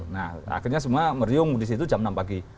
nah akhirnya semua meriung di situ jam enam pagi